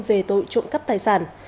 về tội trộm cắp tài sản